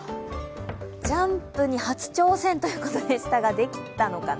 ジャンプに初挑戦ということでしたが、できたのかな？